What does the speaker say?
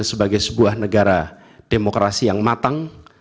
sebagai sebuah negara demokrasi yang matang